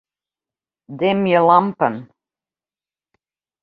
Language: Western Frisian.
Dimje lampen.